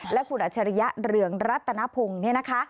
และคุณอาจารย์เรืองรัตนพงศ์